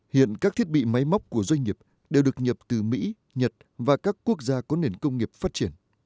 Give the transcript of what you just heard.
hiện các thiết bị máy móc của doanh nghiệp đều được nhập từ mỹ nhật và các quốc gia có nền công nghiệp phát triển